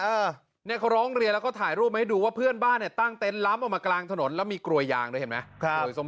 เออเนี่ยเขาร้องเรียนแล้วก็ถ่ายรูปให้ดูว่าเพื่อนบ้านเนี่ยตั้งเต็นต์ล้ำออกมากลางถนนแล้วมีกลวยยางด้วยเห็นไหม